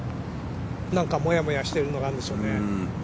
なんかモヤモヤしているものがあるんでしょうね。